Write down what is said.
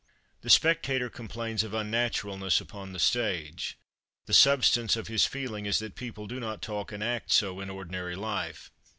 The spectator complains of unnaturalness upon the stage; the substance of his feeling is that people do not talk and act so in ordinary life.